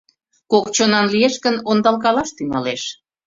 Кок чонан лиеш гын, ондалкалаш тӱҥалеш».